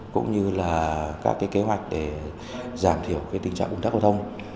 cũng như là các cái kế hoạch để giảm thiểu cái tình trạng công tác giao thông